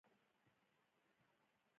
نویو کډوالو ځمکې ابادې کړې.